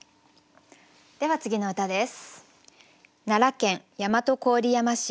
では次の歌です。